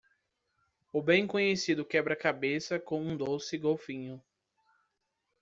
O bem conhecido quebra-cabeça com um doce golfinho.